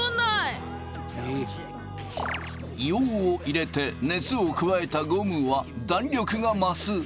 硫黄を入れて熱を加えたゴムは弾力が増す。